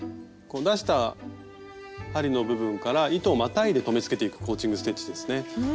出した針の部分から糸をまたいで留めつけていくコーチング・ステッチですね。